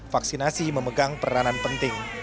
vaksinasi memegang peranan penting